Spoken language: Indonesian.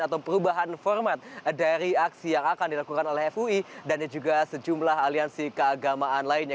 atau perubahan format dari aksi yang akan dilakukan oleh fui dan juga sejumlah aliansi keagamaan lainnya